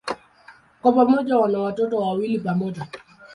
Kwa pamoja wana watoto wawili pamoja.